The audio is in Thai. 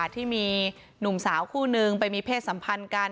ที่มีหนุ่มสาวคู่นึงไปมีเพศสัมพันธ์กัน